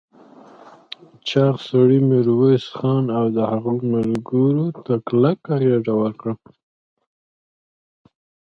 چاغ سړي ميرويس خان او د هغه ملګرو ته کلکه غېږ ورکړه.